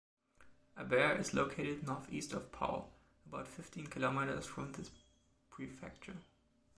Abère is located northeast of Pau, about fifteen kilometers from this prefecture.